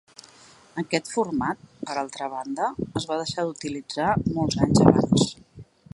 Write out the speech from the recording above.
Aquest format, per altra banda, es va deixar d'utilitzar molts anys abans.